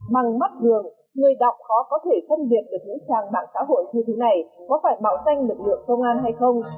mằng mắt gường người đọc khó có thể thân biệt được những trang mạng xã hội như thế này có phải bảo danh lực lượng công an hay không